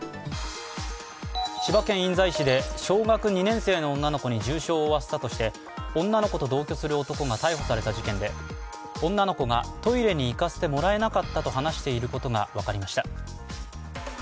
千葉県印西市で小学２年生の女の子に重傷を負わせたとして女の子と同居する男が逮捕された事件で女の子がトイレに行かせてもらえなかったと話していることが分かりました。